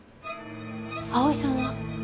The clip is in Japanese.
蒼さんは？